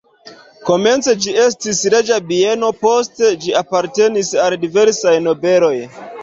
Komence ĝi estis reĝa bieno, poste ĝi apartenis al diversaj nobeloj.